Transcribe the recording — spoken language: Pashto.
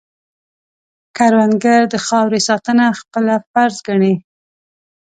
کروندګر د خاورې ساتنه خپله فرض ګڼي